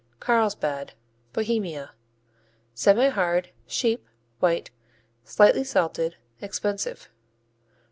Carlsbad Bohemia Semihard; sheep; white; slightly salted; expensive.